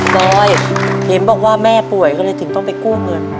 รอยเห็นบอกว่าแม่ป่วยก็เลยถึงต้องไปกู้เงิน